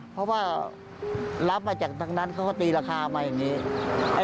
เพราะว่ารับมาจากทางนั้นเขาก็ตีราคามาอย่างนี้